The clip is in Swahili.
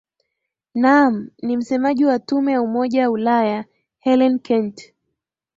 naam ni msemaji wa tume ya umoja ulaya hellen kent